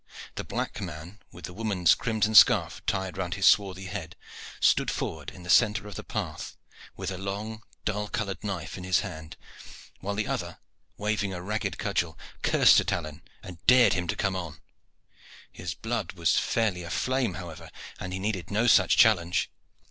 The black man, with the woman's crimson scarf tied round his swarthy head, stood forward in the centre of the path, with a long dull colored knife in his hand, while the other, waving a ragged cudgel, cursed at Alleyne and dared him to come on. His blood was fairly aflame, however, and he needed no such challenge.